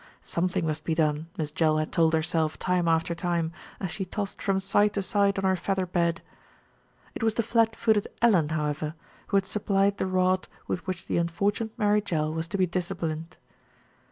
Something must be done, Miss Jell had told herself time after time, as she tossed from side to side on her feather bed. It was the flat footed Ellen, however, who had supplied the rod with which the unfortunate Mary Jell was to be disciplined.